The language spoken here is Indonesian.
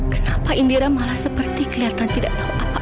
kenapa indira malah seperti kelihatan tidak tahu apa